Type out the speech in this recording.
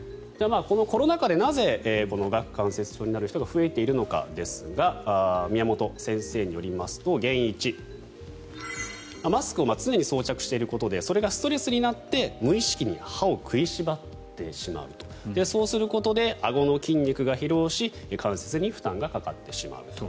このコロナ禍でなぜ、顎関節症になる人が増えているのかですが宮本先生によりますと原因１、マスクを常に装着していることでそれがストレスになって無意識に歯を食いしばってしまうそうすることであごの筋肉が疲労し関節に負担がかかってしまう。